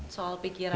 soal pikiran ya kang